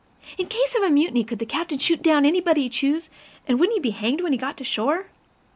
In case of a mutiny, could the captain shoot down anybody he chose, and wouldn't he be hanged when he got to shore?